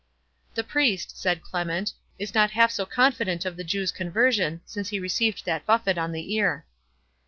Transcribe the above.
"The Priest," said Clement, "is not half so confident of the Jew's conversion, since he received that buffet on the ear."